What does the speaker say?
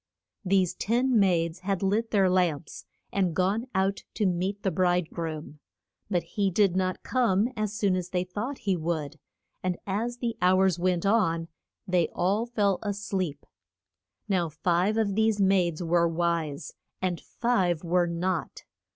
These ten maids had lit their lamps, and gone out to meet the bride groom. But he did not come as soon as they thought he would, and as the hours went on they all fell a sleep. Now five of these maids were wise, and five were not.